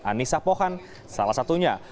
anissa pohan salah satunya